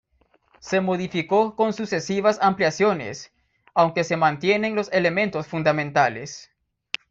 Se modificó con sucesivas ampliaciones, aunque se mantienen los elementos fundamentales.